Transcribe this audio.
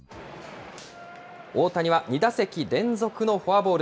大谷は２打席連続のフォアボール。